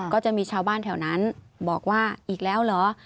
ก็จะมีชาวบ้านแถวนั้นบอกว่าอีกแล้วเหรอ